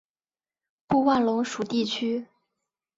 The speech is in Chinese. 布万龙属地区。